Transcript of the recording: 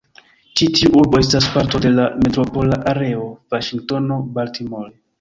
Ĉi-tiu urbo estas parto de la "Metropola Areo Vaŝingtono-Baltimore".